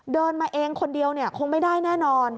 เดินมาเองคนเดียวคงไม่ได้แน่นอน